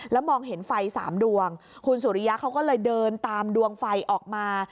แล้วมองเห็นไฟ๓ดวงคุณสุริยะเขาก็เลยเดินตามดวงไฟออกมา